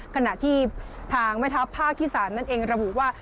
ขณะที่ทางแม่ทัพภาคที่๓นั่นเองระบุว่า